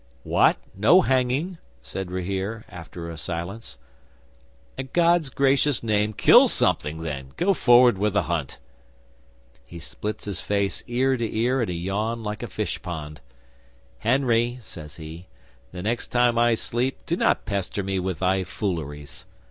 '"What? No hanging?" said Rahere, after a silence. "A' God's Gracious Name, kill something, then! Go forward with the hunt!" 'He splits his face ear to ear in a yawn like a fish pond. "Henry," says he, "the next time I sleep, do not pester me with thy fooleries."